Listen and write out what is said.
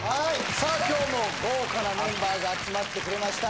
さあ今日も豪華なメンバーが集まってくれました